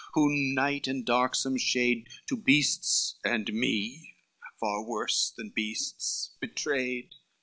whom night and darksome shade To beasts, and me, far worse than beasts, betrayed.